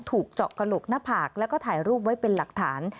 ถูกเจาะกระโหลกหน้าผากแล้วก็ถ่ายรูปไว้เป็นหลักฐาน